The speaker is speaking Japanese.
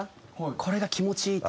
これが気持ちいいって。